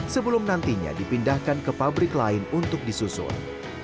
sebelum nantinya dipindahkan ke pabrik lain untuk disusun